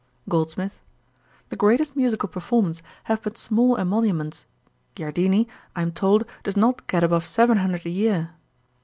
GOLDSMITH. 'The greatest musical performers have but small emoluments. Giardini, I am told, does not get above seven hundred a year.'